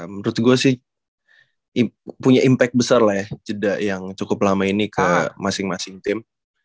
menurut gue sih punya impact besar lah ya jeda yang cukup lama ini ke masing masing tim